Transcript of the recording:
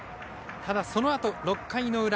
ただ、そのあと６回の裏。